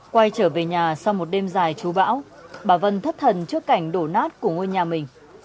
quay trở về nhà sau một đêm dài chú bão bà vân thất thần trước cảnh đổ nát của ngôi nhà mình